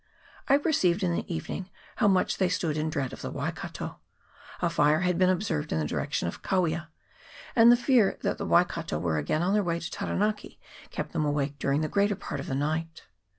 I perceived in the evening how much they stood in dread of the Wai kato. A fire had been observed in the direction of Kawia, and the fear that the Waikato were again on their way to Taranaki kept them awake during the greater part of the night.